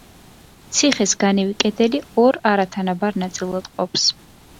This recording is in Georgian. ციხეს განივი კედელი ორ არათანაბარ ნაწილად ყოფს.